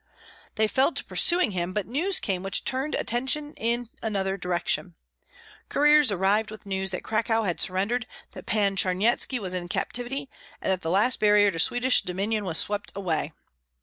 They fell to pursuing him, but news came which turned attention in another direction. Couriers arrived with news that Cracow had surrendered, that Pan Charnyetski was in captivity, and that the last barrier to Swedish dominion was swept away.